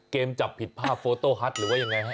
จับผิดภาพโฟโต้ฮัทหรือว่ายังไงฮะ